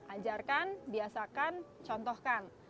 ajarkan biasakan contohkan